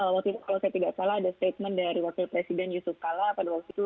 waktu itu kalau saya tidak salah ada statement dari wakil presiden yusuf kala pada waktu itu